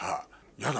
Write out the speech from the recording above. やだ